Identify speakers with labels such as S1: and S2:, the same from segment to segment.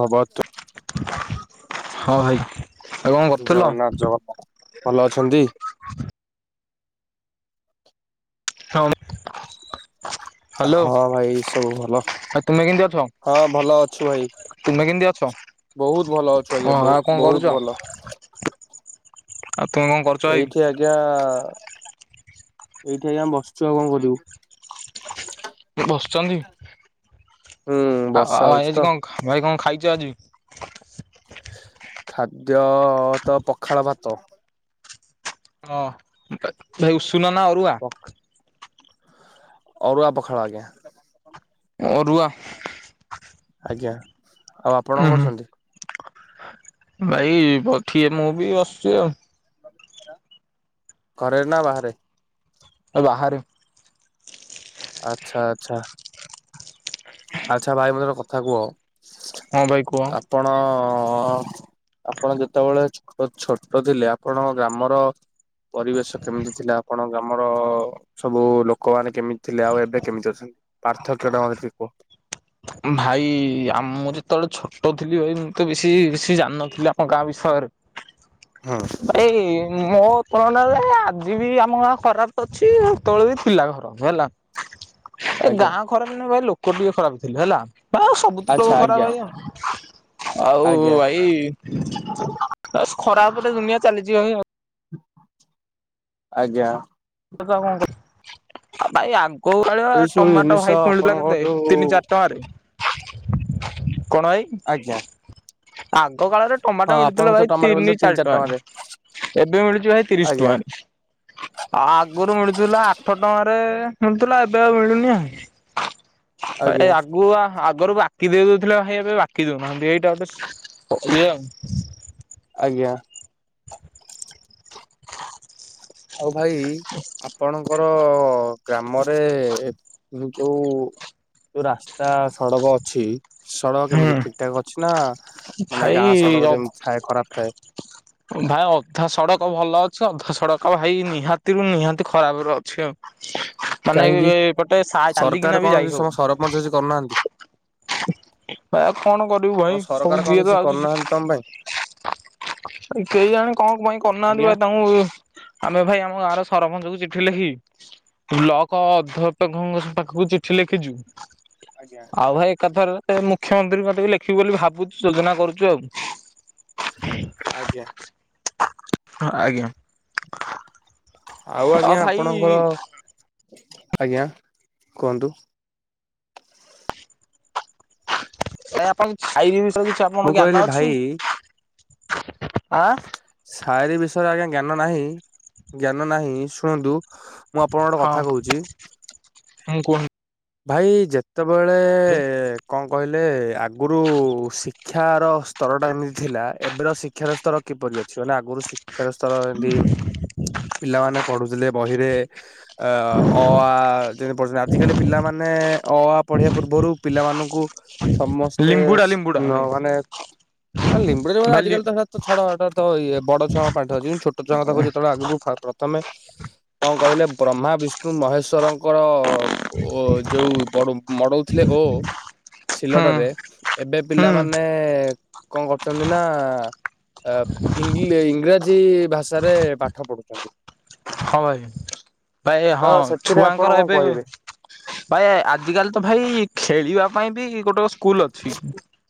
S1: ହଉ ବହୁତ।
S2: ହଁ ଭାଇ। ଆଉ କଣ କରୁଥିଲ?
S1: ଜଗନ୍ନାଥ ଜଗନ୍ନାଥ ଭଲ ଅଛନ୍ତି।
S2: ହଁ। ହ୍ୟାଲୋ
S1: ହଁ ଭାଇ ସବୁ ଭଲ
S2: ଆଉ ତୁମେ କେମିତି ଅଛ?
S1: ହଁ ଭଲ ଅଛୁ ଭାଇ।
S2: ତୁମେ କେମିତି ଅଛ?
S1: ବହୁତ ଭଲ ଅଛୁ
S2: ଓହୋ
S1: ଆଜ୍ଞା
S2: ଆଉ କଣ
S1: ବହୁ
S2: କରୁଛ?
S1: ବହୁତ ଭଲ।
S2: ଆଉ ତମେ କଣ କର।
S1: ଏଇଠି ଆଜ୍ଞା ଏଇଠି ଆଜ୍ଞା ବସିଛୁ ଆଉ କଣ କରିବୁ। [unintelligible]
S2: ବସିଛନ୍ତି
S1: ହୁଁ
S2: ଆଉ
S1: ବର୍ଷା
S2: ଆଉ
S1: ହଉଛି
S2: ଭାଇ
S1: ତ
S2: ଆଜି କଣ ଭାଇ କଣ ଖାଇଛ ଆଜି।
S1: ଖାଦ୍ୟ ତ ପଖାଳ ଭାତ।
S2: ହଁ ଭାଇ ଉଷୁନା ନା ଅରୁଆ।
S1: ଅରୁୁଆ ପଖାଳ ଆଜ୍ଞା।
S2: ଅରୁଆ।
S1: ଆଜ୍ଞା ଆଉ ଆପଣ
S2: ଉଁ
S1: କଣ
S2: ହୁଁ।
S1: କରୁଛନ୍ତି।
S2: [inaudible]
S1: ଘରେ ନା ବାହାରେ।
S2: ଆ ବାହାରେ।
S1: ଆଚ୍ଛା ଆଚ୍ଛା। ଆଚ୍ଛା ଭାଇ ମତେ ଗୋଟେ କଥା କୁହ?
S2: ହଁ ଭାଇ କୁହ।
S1: ଆପଣ ଆପଣ ଯେତେବେଳେ ଛୋ ଛୋଟ ଥିଲେ ଆପଣଙ୍କ ଗ୍ରାମର ପରିବେଶ କେମିତି ଥିଲା? ଆପଣ ଗ୍ରାମର ସବୁ ଲୋକମାନେ କେମିତି ଥିଲେ ଆଉ ଏବେ କେମିତି ଅଛନ୍ତି? ପାର୍ଥକ୍ୟଟା ମତେ ଟିକେ କୁ
S2: ଭାଇ ଆମ ମୁଁ ଯେତେବେଳେ ଛୋଟ ଥିଲି ଭାଇ ମୁଁ ତ ବେଶୀ ବେଶୀ ଜାଣିନଥିଲି ଆମ ଗାଁ ବିଷୟରେ
S1: ହଁ
S2: ଏଇ ମୋ ଫୋନ ରେ ଆଜି ବି ଆମ ଗାଁ ଖରାପ ତ ଅଛି ସେତେବେଳେ ବି ଥିଲା ଖରାପ ହେଲା
S1: [unintelligible]
S2: ଏ ଗାଁ ଖରାପ ନୁହଁ ଭାଇ ଲୋକ ଟିକେ ଖରାପ ଥିଲେ ହେଲା। ଆ ସବୁଠୁ
S1: ଆଚ୍ଛା
S2: ଖରାପ
S1: ଆଜ୍ଞା
S2: ଭଇ ଆଉ, ଆଉ
S1: ଆଜ୍ଞା
S2: ଭାଇ ବାଶ ଖରାପ ରେ ଦୁନିଆ ଚାଲିଯିବ ଭାଇ ଆଉ।
S1: ଆଜ୍ଞା
S2: ତ ଆଉ କଣ କର ଭାଇ ଆ କୋଉ ଭଳିଆ
S1: ଏଇ ସବୁ
S2: ଟମାଟୋ
S1: ଜିନିଷ
S2: ଭାଇତ ମିଳୁଥିଲା
S1: ଆପଣଙ୍କ
S2: କେତେ
S1: ଯୋଉ
S2: ତିନି ଚାରି ଟଙ୍କାରେ। କଣା ଭାଇ?
S1: ଆଜ୍ଞା
S2: ଆଗ କାଳରେ
S1: ହଁ
S2: ଟମାଟୋ
S1: ଆପଣ
S2: ମିଳୁଥିଲା
S1: ତ
S2: ଭାଇ
S1: ଟମାଟୋ ବୋଲେ ତ
S2: ତିନି ଚାରି ଟଙ୍କାରେ। ଏବେ ମିଳୁଛି ଭାଇ ତିରିଶ
S1: ଆଜ୍ଞା
S2: ଟଙ୍କାରେ। ଆ ଆଗରୁ ମିଳୁଥିଲା ଆଠ ଟଙ୍କାରେ ମିଳୁଥିଲା ଏବେ ଆଉ ମିଳୁନି ଆ। ଏଇ
S1: ଆଜ୍ଞା
S2: ଆଗୁଆ ଆଗରୁ ବାକି ଦେଇ ଦଉଥିଲେ ଭାଇ ଏବେ ବାକି ଦଉନାହାନ୍ତି ଏଇଟା ଗୋଟେ ଇଏ ଆଉ
S1: ଆଜ୍ଞା ହଉ ଭାଇ ଆପଣ ଙ୍ଆମର ଗ୍ରାମରେ ଏଇ ଯୋଉ ଯୋଉ ରାସ୍ତା ସଡ଼କ ଅଛି ସଡ଼କ କେମିତି ଠିକ ଠାକ ଅଛି ନା
S2: ହୁଁ
S1: ମାନେ ଗାଁ ସଡ଼କ
S2: ଭାଇ
S1: ଯେମିତି ଥାଏ ଖରାପ ଥାଏ?
S2: ଭାଇ ଅଧା ସଡ଼କ ଭଲ ଅଛି ଅଧା ସଡ଼କ ଭାଇ ନିହାତିରୁୁ ନିହାତି ଖରାପ ର ଅଛି ଆଉ। ମାନେ
S1: କାହିଁକି
S2: ଏପଟେ ସା ଚାଲିକିନା
S1: ସରକାର
S2: ବି ଯାଇ
S1: କଣ ସ
S2: ହବନି।
S1: ସରପଞ୍ଚ ଯଛି କରୁନାହାନ୍ତି?
S2: ଭାଇ ଆଉ କଣ କରିବୁ ଭାଇ
S1: ତମ
S2: ସବୁ
S1: ସରକାର କଣ
S2: ଯିଏତ
S1: କିଛି
S2: ଆସୁଛି
S1: କରୁନାହାନ୍ତି ତମ ପାଇଁ?
S2: କେଇଜାଣି କଣ ପାଇଁ କରନାହାନ୍ତି
S1: ଆଜ୍ଞା
S2: ଭାଇ ତାଙ୍କୁ ଆମେ ଭାଇ ଆମ ଗାଁର ସରପଞ୍ଚଙ୍କୁ ଚିଠି ଲେଖି ବ୍ଲକ ଅଧ୍ୟାପକଙ୍କ ପାଖକୁ ଚିଠି ଲେଖିଛୁ।
S1: ଆଜ୍ଞା
S2: ଆଉ ଭାଇ ଏକାଥରକେ ମୁଖ୍ୟମନ୍ତ୍ରୀଙ୍କୁ ଲେଖିବୁ ବୋଲି ଭାବୁଛି ଯୋଜନା କରୁଛୁ ଆଉ।
S1: ଆଜ୍ଞା
S2: ଆଜ୍ଞା
S1: ଆଉ ଆଜ୍ଞା ଆପଣଙ୍କର, ଆଜ୍ଞା କୁହନ୍ତୁ?
S2: ଭାଇ ଆପଣଙ୍କ ଛାଇବ ବିଷୟରେ କିଛି
S1: ମୁଁ
S2: ଆପଣଙ୍କ
S1: କହିଲି
S2: ଜ୍ଞାନ
S1: ଭାଇ
S2: ଅଛି? ଆ
S1: ଶାଡି ବିଷୟରେ ଆଜ୍ଞା ଜ୍ଞାନ ନାହିଁ। ଜ୍ଞାନ ନାହିଁ ଶୁଣନ୍ତୁ। ମୁଁ ଆପଣଙ୍କ ଗୋଟେ କଥା କହୁଛି।
S2: ମୁୁଁ କହୁ
S1: ଭାଇ ଯେତେବେଳେ କଣ କହିଲେ ଆଗରୁ ଶି କ୍ଷାର ସ୍ତରଟା ଏମିତି ଥିଲା ଏବେର ଶିକ୍ଷାର ସ୍ତର କିପରି ଅଛି? ମାନେ ଆଗରୁ ଶି କ୍ଷାର ସ୍ଥର ଏମତି ପିଲାମାନେ ପଢୁଥିଲେ ବହିରେ ଅ, ଅ ଆ ଯେମିତି ପଢୁଛନ୍ତି ଆ ପିଲାମାନେ ଅ ଆ ପଢିବା ପୂର୍ବରୁ ପିଲାମାନଙ୍କୁ ସମସ୍ତେ
S2: ଲିମ୍ବୁଡା ଲିମ୍ବୁଡା ଭାଇ।
S1: ନ-ମାନେ ଆରେ ଲିମ୍ବୁଡା ଲିମ୍ବୁଡା
S2: ଭାଲି
S1: ଆଜିକାଲି ତ ହେ ତ ଛାଡ ଏଟା ତ ଇଏ ବଡ ଛୁଆଙ୍କ ପାଠ, ଯି- ଛୋଟ ଛୁଆଙ୍କ କଥା କହୁଚି, ଯେତେବେଳେ ଆଗକୁ ଫା-ପ୍ରଥମେ କଣ କହିଲେ ବ୍ରହ୍ମା ବିଷ୍ଣୁ ମହେଶ୍ଵରଙ୍କର ଓ ଯୋଉ ବଡୁ ମଡଉଥିଲେ ଓ
S2: ହୁଁ
S1: ସିଲଟରେ ଏବେ
S2: ହୁଁ
S1: ପିଲାମାନେ କଣ କରୁଛନ୍ତି ନା ଅ, ଇଂ ଏ ଇଂରାଜୀ ଭାଷାରେ ପାଠ ପଢୁଛନ୍ତି।
S2: ହଁ ଭାଇ ଭାଇ
S1: ତ
S2: ହଁ
S1: ସେଥିରେ ଆପଣ
S2: ଛୁଆଙ୍କର
S1: କଣ
S2: ଏବେ
S1: କହିବେ?
S2: ଭାଇ ଆଜିକାଲି ତ ଭାଇ ଖେଳିବା ପାଇଁ ବି ଗୋଟ ସ୍କୁଲ୍ ଅଛି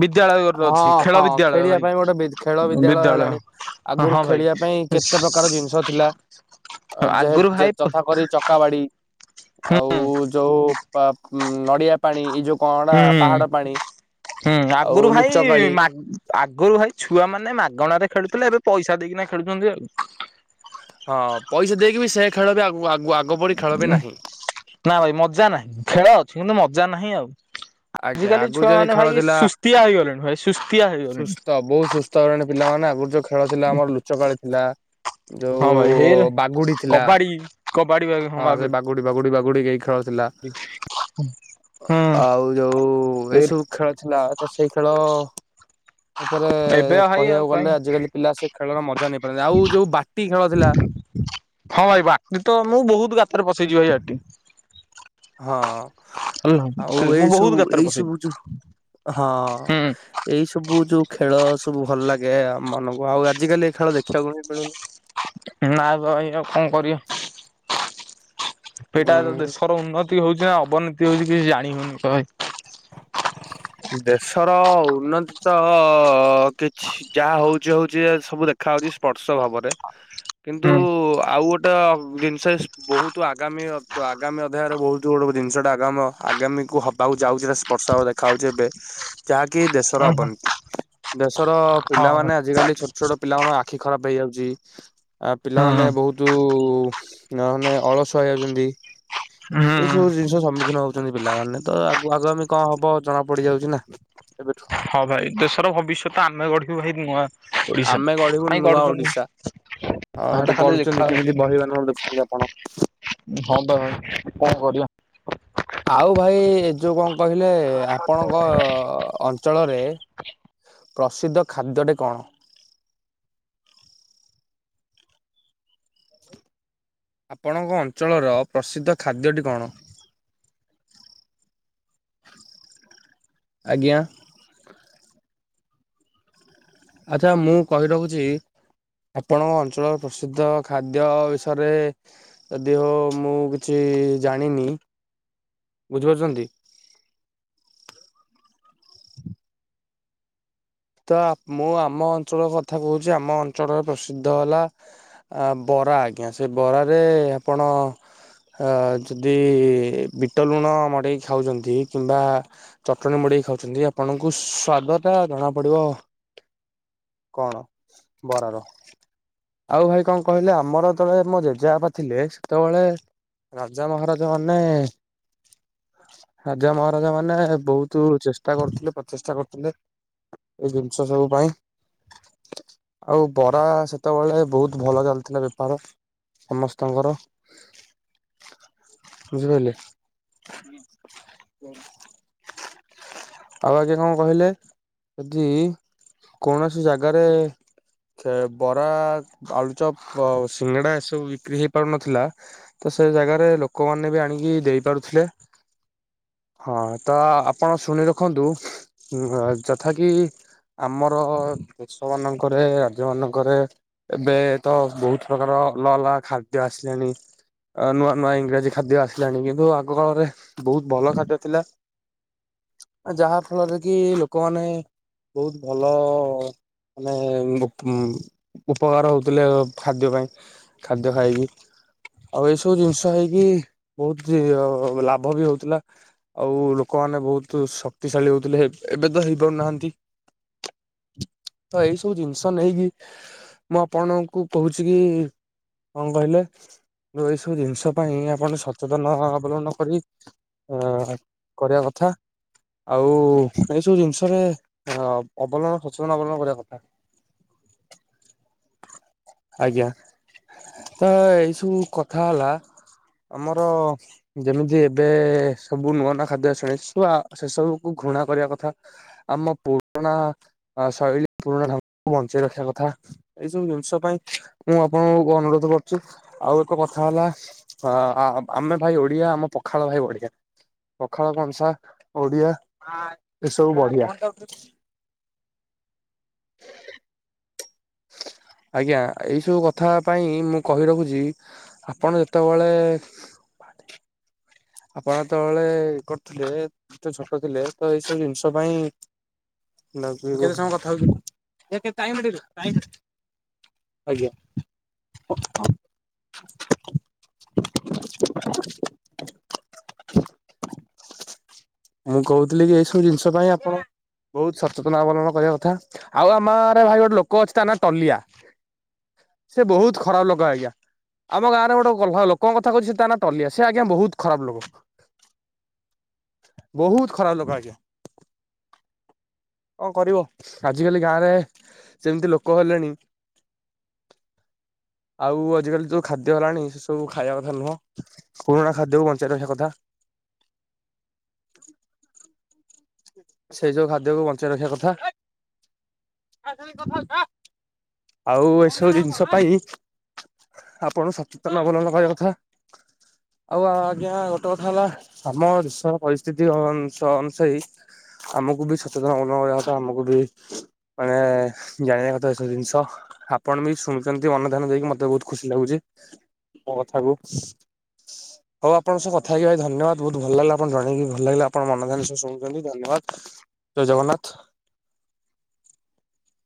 S2: ବିଦ୍ୟାଳୟ ଗୋଟେ ଅଛି
S1: ହଁ
S2: ଖେଳ
S1: ହଁ
S2: ବିଦ୍ୟାଳୟ
S1: ଖେଳିବା
S2: ଭାଇ
S1: ପାଇଁ ଗୋଟେ ବିଦ୍ ଖେଳ ବିଦ୍ୟାଳୟ ହେଲାଣି। ଆଗରୁ
S2: ହଁ ଭାଇ।
S1: ଖେଳିବା ପାଇଁ କେତେ ପ୍ରକାର ଜିନିଷ ଥିଲା, ଅ, ଯେ
S2: ଆଗରୁ
S1: ଯେ
S2: ଭାଇ
S1: ଯଥା
S2: ହୁଁ
S1: କରି ଚ କାବାଡି ଆଉ ଯୋଉ ପା-ଉଁ, ନଡ଼ିଆ ପାଣି ଏଇ ଯୋଉ କଣ ଏଇଟା ପାହାଡ
S2: ହୁଁ
S1: ପାଣି ଆଉ
S2: ଆଗରୁ
S1: ଲୁ
S2: ଭାଇ ଆଗରୁ ଭାଇ ଛୁଆମାନେ ମାଗଣାରେ ଖେଳୁଥିଲେ। ଏବେ ପଇସା ଦେଇକିନା ଖେଳୁଛନ୍ତି ଆଉ।
S1: ହଁ ପଇସା ଦେଇକି ବି ସେ ଖେଳ ବି ଆଗୁ ଆଗୁ ଆଗ ଭଳି ଖେଳ ବି ନାହିଁ।
S2: ନା ଭାଇ ମଜା ନାହିଁ ଖେଳ ଅଛି କିନ୍ତୁ ମଜା ନାହିଁ ଆଉ।
S1: ଆଜ୍ଞା
S2: ଆଜିକାଲି
S1: ଆଗରୁ ଯେମିତି
S2: ଛୁଆମାନେ
S1: ଖେଳ
S2: ଭାଇ
S1: ଥିଲା
S2: ସୁସ୍ତିଆ ହେଇଗଲେଣି, ଭାଇ ସୁସ୍ତିଆ ହେଇଗଲେଣି।
S1: ସବୁ ସୁସ୍ ତ ହେଲେଣି ପିଲାମାନେ ଆଗରୁ ଯୋଉ ଖେଳ ଥିଲା ଆମର ଲୁଚକାଳି ଥିଲା। ଯୋଉ
S2: ହଁ ଭାଇ ହେ
S1: ବାଗୁଡି ଥିଲା,
S2: କବାଡି କବାଡି ବା
S1: ହଁ ସେ
S2: ବାଗୁ
S1: ବାଗ ଗୁଡ଼ି ବାଗୁଡ଼ି ବାଗୁଡ଼ିି କେଇ ଖେଳଥିଲା।
S2: ହୁଁ।
S1: ଯୋଉ ଏ ସବୁ ଖେଳ ଥିଲା ତ ସେଇ ଖେଳ ଉପରେ
S2: ଏବେ ଭାଇ
S1: କହିବାକୁ
S2: ଆଉ କାଇଁ
S1: ଗଲେ ଆଜିକାଲି ପିଲା ସେ ଖେଳର ମଜା ନେଇ ପାରନ୍ତିନି। ଆଉ ଯୋଉ ବାଟି ଖେଳ ଥିଲା।
S2: ହଁ ଭାଇ ବାଟି ତ ମୁଁ ବହୁତ ଗାତରେ ପସେଇଛି ଭାଇ ବାଟି।
S1: ହଁ ଆଉ
S2: ହେଲା ମୁଁ ବହୁତ
S1: ଏଇସବୁ
S2: ଗାତରେ
S1: ଏଇ
S2: ପଶେଇଛି।
S1: ସବୁ ଯୋଉ ହଁ
S2: ହୁଁ
S1: ଏଇ ସବୁ ଯୋଉ ଖେଳ ସବୁ ଭଲ ଲାଗେ ଆମ ମାନଙ୍କୁ। ଆଉ ଆଜିିକାଲି ଏଇ ଖେଳ ଦେଖିବାକୁ ହିଁ ମିଳୁନି।
S2: ନା ତ ଏଇ ଆଉ କଣ କରିବା? ସେଇଟା ତ
S1: ଉଁ
S2: ଦେଶର ଉନ୍ନତି ହଉଛି ନା ଅବନୀତି ହଉଛି କିଛି ଜାଣି ହଉନି ତ ଭାଇ?
S1: ହ [inaudible] ଦେଶର ଉନ୍ନତି ତ କିଛି ଯାହା ହଉଛି ହଉଛି ଏ ସବୁ ଦେ ଖା ଯାଉଛି ସ୍ପର୍ଶ ଭାବରେ।
S2: ହଁ।
S1: କିନ୍ତୁ ଆଉ ଗୋଟ ଟେ ଜିନିଷ ବହୁତୁ ଆଗାମୀ ଅ, ତ ଆଗାମୀ ଅଧ୍ୟାୟରେ ବହୁତ ଗୋଟେ ଜିନିଷଟା ଆଗାମ ଆଗାମୀକୁ ହ ବାକୁ ଯାଉଛି ତ ସ୍ପର୍ଶ ଭାବେ ଦେଖାାଯାଉଛି ଏବେ, ଯାହାକି ଦେଶର
S2: ଉଁ ହୁଁ
S1: ଅବନୀତି। ଦେଶର
S2: ହଁ ଭାଇ।
S1: ପିଲାମାନେ ଆଜିକାଲି ଛୋଟ ଛୋଟ ପିଲାମାନଙ୍କ ଆଖି ଖରାପ ହେଇଯାଉଛି। ଆଉ
S2: ହୁଁ
S1: ପିଲାମାନେ ବହୁତ ମାନେ ଅଳସୁଆ ହେଇଯାଉଛନ୍ତି। ଏଇ
S2: ହୁଁ
S1: ସବୁ ଜିନିଷ ସମ୍ମୁଖୀନ ହଉଛନ୍ତି ପିଲାମାନେ ତ ଆଗକୁ ଆଗାମୀ କଁ ହବ ଜଣା ପଡିଯାଉଛି ନା ଏବେଠୁ।
S2: ହଁ ଭାଇ ଦେଶର ଭବିଷ୍ୟତ ଆମେ ଗଢିବୁ ଭାଇ ନୂଆ ଓଡିଶା
S1: ଆମେ ଗଢିବୁ
S2: କାଇଁ
S1: ନୂଆ
S2: ଗଢୁଛନ୍ତି
S1: ଓଡିଶା। ହଁ
S2: ଭାଇଟା
S1: ତ
S2: ଖାଲି ଲେଖା
S1: ଗଢୁଛନ୍ତି
S2: ହଉଛି
S1: କେମିତି ବହି ମାନ ରୁ ଦେଖୁଛନ୍ତି ଆପଣ
S2: ହଁ ତ ଭାଇ କଣ କରିଆ।
S1: ଆଉ ଭାଇ ଏ ଯୋଉ କଣ କହିଲେ ଆପଣଙ୍କ ଅଞ୍ଚଳରେ ପ୍ରସିଦ୍ଧ ଖାଦ୍ୟ ଟି କଣ। ଆପଣଙ୍କ ଅଞ୍ଚଳର ପ୍ରସିଦ୍ଧ ଖାଦ୍ୟଟି କଣ। ଆଜ୍ଞା। ଆଚ୍ଛା ମୁଁ କହି ରଖୁଛି ଆପଣଙ୍କ ଅଞ୍ଚଳର ପ୍ରସିଦ୍ଧ ଖାଦ୍ୟ ବିଷୟରେ ଯଦି ହୋ ମୁଁ କିଛି ଜାଣିନି, ବୁଝିପାରୁଛନ୍ତି। ତ ମୁଁ ଆମ ଅଞ୍ଚଳ କଥା କହୁଛି ଆମ ଅଞ୍ଚଳରେ ପ୍ରସିଦ୍ଧ ହେଲା ବରା ଆଜ୍ଞା, ସେ ବରାରେ ଆପଣ ହଁ ଯଦି ବିଟ ଲୁଣ ମଡ଼େଇ ଖାଉଛନ୍ତି, କିମ୍ବା ଚଟଣୀ ମଡେଇ ଖାଉଛନ୍ତି, ଆପଣଙ୍କୁ ସ୍ଵାଦଟା ଜଣା ପଡିବ। କଣ, ବରାର। ଆଉ ଭାଇ କଣ କହିଲେ, ଆମର ତ ଯେତଳେ ମୋ ଜେଜେ ବାପା ଥିଲେ, ସେତେବେଳେ ରାଜା ମହାରାଜା ମାନେ ରାଜା ମହାରାଜା ମାନେ ବହୁତ ଚେଷ୍ଟା କରୁଥିଲେ, ପ୍ରଚେଷ୍ଟା କରୁଥିଲେ। ଏ ଜିନିଷ ସବୁ ପାଇଁ। ଆଉ ବରା ସେତେବେଳେ ବହୁତ ଭଲ ଚାଲିଥିଲା ବେପାର। ସମସ୍ତଙ୍କର। ବୁଝିପାରିଲେ? ଆଉ ଆଜ୍ଞା କଣ କହିଲେ? ଯଦି, କୌଣସି ଜାଗାରେ ସେ ବରା, ଆଳୁଚପ ଆଉ ସିଙ୍ଗଡ଼ା ଏସବୁ ବିକ୍ରି ହେଇ ପାରୁନଥିଲା ତ ସେ ଜାଗାରେ ଲୋକମାନେ ବି ଆଣିକି ଦେଇପାରୁଥିଲେ। ହଁ, ତ ଆପଣ ଶୁଣି ରଖନ୍ତୁ, ଯଥା କିି ଆମର ଦେଶ ମାନଙ୍କରେ, ରାଜ୍ୟମାନଙ୍କରେ ଏବେ ତ ବହୁତ ପ୍ରକାର ଅଲଗା ଅଲଗା ଖାଦ୍ୟ ଆସିଲାଣି। ନୂଆ ନୂଆ ଇଂରାଜୀ ଖାଦ୍ୟ ଆସିଲାଣି, କିନ୍ତୁ ଆଗକାଳରେ ବହୁତ ଭଲ ଖାଦ୍ୟ ଥିଲା। ଯାହା ଫଳରେ କି ଲୋକମାନେ, ବହୁତ ଭଲ ମାନେ ଉମ୍ ଉପକାର ହଉଥିଲେ, ଖାଦ୍ୟ ପାଇଁ। ଖାଦ୍ୟ ଖାଇକି ଆଉ ଏଇସବୁ ଜିନିଷ ହେଇକି, ବହୁତ ଯେ ଲାଭ ବି ହଉଥିଲା। ଆଉ ଲୋକମାନେ ବହୁତ ଶକ୍ତିଶାଳୀ ହଉଥିଲେ। ଏବେ ତ ହେଇପାରୁନାହାନ୍ତି। ତ ଏଇ ସବୁ ଜିନିଷ ନେଇକି ମୁଁ ଆପଣଙ୍କୁ କହୁଛି କି, କଣ କହିଲେ? ତ, ଏଇ ସବୁ ଜିନିଷ ପାଇଁ ଆପଣ ସଚେତନ ଅବଲମ୍ବନ କରି ଆ, କରିବା କଥା, ଆଉ ଏଇ ସବୁ ଜିନିଷରେ ଅ ଅବଲଣ ସଚେତନ କରିବା କଥା। ଆଜ୍ଞା, ତ ଏଇସବୁ କଥା ହେଲା ଆମର ଯେମିତି ଏବେ ସବୁ ନୂଆ ନୂଆ ଖାଦ୍ୟ ଚାଲିଛି ସେ ସବୁ ଘୃଣା କରିବା କ ଆମ ପୁରୁଣା ଶୈଳୀ ପୁରୁଣାକୁ ବଞ୍ଚେଇ ରଖିବା କଥା। ଏଇ ସବୁ ଜିନିଷ ପାଇଁ ମୁଁ ଆପଣଙ୍କୁ ଅନୁରୋଧ କରୁଛି। ଆଉ ଏକ କଥା ହେଲା ହଁ ଆମେ ଭାଇ ଓଡିଆ ଆମ ପଖାଳ ଭାଇ ବଢିଆ। ପଖାଳ କଂସା, ଓଡିଆ ଏସବୁ ବଢିଆ। ଆଜ୍ଞା, ଏଇ ସବୁ କଥା ପାଇଁ ମୁଁ କହି ରଖୁଛି। ଆପଣ ଯେତେବଳେ ଆପଣ ଯେତେବେଳେ କରୁଥିଲେ, ଏତେ ଛୋଟ ଥିଲେ ତ ଏଇ ସବୁ ଜିନିଷ ପାଇଁ କେତେ ସମୟ କଥା ହଉଛୁ? ଟାଇମ୍ ଦେଖ ଟାଇମ୍ ଆଜ୍ଞା। ମୁଁ କହୁଥିଲି କି, ଏଇସବୁ ଜିନିଷ ପାଇଁ ଆପଣ ବହୁତ ସଚେତନତା ଅବଲମ୍ବନ କରିବା କଥା। ଆଉ ଆମଆଡେ ଭାଇ ଗୋଟେ ଲୋକ ଅଛି ତା ନାଁ ଟଲିଆ। ସେ ବହୁତ ଖରାପ ଲୋକ ଆଜ୍ଞା। ଆମ ଗାଁରେ ଗୋଟେ ଗ ଲୋକଙ୍କ କଥାକହୁଛି, ତା ନା ଟଲିଆ। ସେ ଆଜ୍ଞା ବହୁତ ଖରାପ ଲୋକ, ବହୁତ ଖରାପ ଲୋକ ଆଜ୍ଞା। କଣ କରିବ? ଆଜିକାଲି ଗାଁରେ ସେମିତି ଲୋକ ହେଲେଣି। [inaudible] ଆଉ ଆଜିକାଲି ଯୋଉ ଖାଦ୍ୟ ହେଲାଣି, ସେ ସବୁ ଖାଇବା କଥା ନୁହଁ। ପୁରୁଣା ଖାଦ୍ୟକୁ ବଞ୍ଚେଇ ରଖିବା କଥା। ସେଇ ଯୋଉ ଖାଦ୍ୟକୁ ବଞ୍ଚେଇ ରଖିବା କଥା ଆଉ ଏସବୁ ଜିନିଷ ପାଇଁ ଆପଣ ସଚେତନ ଭଲ ଲଗବା କଥା ଆଉ ଆ ଆଜ୍ଞା ଗୋଟେ କଥା ହେଲା ଆମ ଦେଶ ପରିସ୍ଥିତି ଅନୁସାରେ ଆମକୁ ବି ସଚେତନନ କରିବା କଥା ଆମକୁ ବି ମାନେ ଜାଣିବା କଥା ଏ ସବୁ ଜିନିଷ ଆପଣ ବି ଶୁଣୁଛନ୍ତି ଅନ୍ନଧାନ ଦେଇକି ମତେ ବହୁତ ଖୁସି ଲାଗୁଛି ମୋ କଥାକୁ। ହ ହଉ ଆପଣଙ୍କ ସହ କଥା ହେଇକ ଭାଇ ଧନ୍ୟବାଦ ବହୁତ ଭଲ ଲାଗା ଆପଣ ଜଣେଇକି ଭଲ ଲାଗା ଆପଣ ମନାନ ଶୁଛନ୍ତି ଧନ୍ୟବାଦ। ଜୟ ଜଗନ୍ନାଥ।